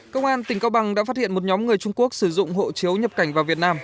công an tỉnh cao bằng đã phát hiện một nhóm người trung quốc sử dụng hộ chiếu nhập cảnh vào việt nam